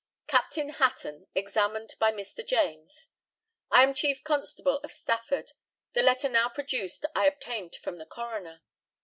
Captain HATTON, examined by Mr. JAMES: I am chief constable of Stafford. The letter now produced I obtained from the coroner.